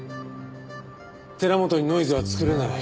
寺本にノイズは作れない。